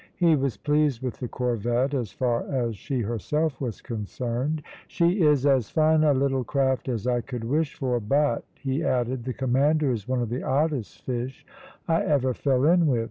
He was pleased with the corvette as far as she herself was concerned. "She is as fine a little craft as I could wish for, but," he added, "the commander is one of the oddest fish I ever fell in with.